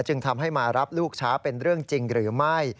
จึงทำให้มารับลูกช้าเป็นเรื่องจริงหรือไม่